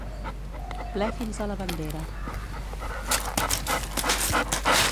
Ple fins a la bandera.